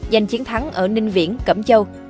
giành chiến thắng ở ninh viễn cẩm châu